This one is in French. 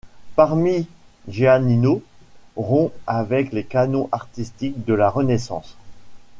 Parmigianino rompt avec les canons artistiques de la Renaissance.